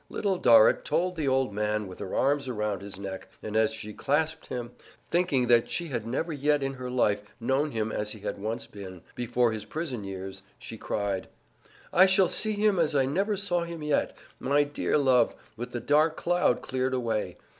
Little Dorrit told the old man with her arms around his neck, and as she clasped him, thinking that she had never yet in her life known him as he had once been, before his prison years, she cried: "I shall see him as I never saw him yet my dear love, with the dark cloud cleared away!